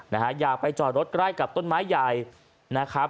นะฮะอย่าไปจอดรถใกล้กับต้นไม้ใหญ่นะครับ